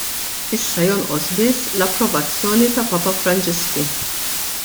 Issa jonqos biss l-approvazzjoni ta' Papa Franġisku.